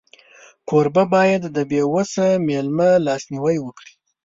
کوربه باید د بېوسه مېلمه لاسنیوی وکړي.